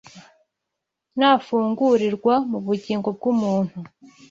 nafungurirwa mu bugingo bw’umuntu